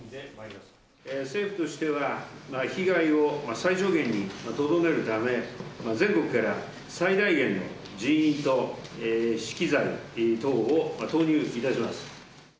政府としては、被害を最小限にとどめるため、全国から最大限の人員と資機材等を投入いたします。